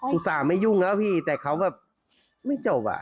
อุตส่าห์ไม่ยุ่งนะพี่แต่เขาแบบไม่จบอ่ะ